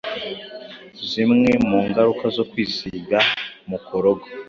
zimwe mu ngaruka zo kwisiga mukorogo